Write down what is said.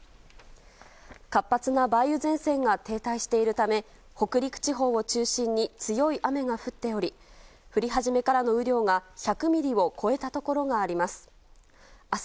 活発な梅雨前線が停滞しているため北陸地方を中心に強い雨が降っており降り始めからの雨量が１００ミリを超えたところがあります。